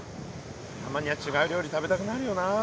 たまには違う料理食べたくなるよな。